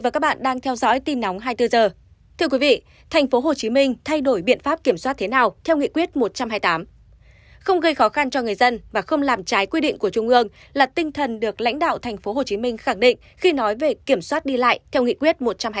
các bạn hãy đăng ký kênh để ủng hộ kênh của chúng mình nhé